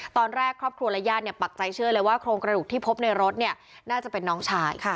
ตอนแรกครอบครัวและญาติปักใจเชื่อเลยว่าโครงกระดูกที่พบในรถน่าจะเป็นน้องชาย